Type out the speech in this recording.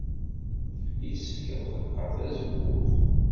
Yessefk ad ɣelqeɣ tazewwut?